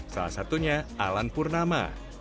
salah satunya alan purnama